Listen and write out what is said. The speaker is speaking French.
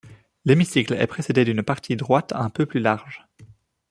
L'hémicycle est précédé d'une partie droite un peu plus large.